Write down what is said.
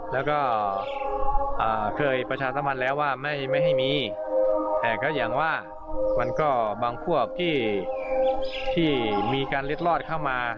แล้วก็เคยประชาสัมพันธ์แล้วว่าไม่ให้มีแต่ก็อย่างว่ามันก็บางพวกที่มีการเล็ดลอดเข้ามา